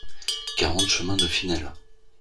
quarante chemin de Finelle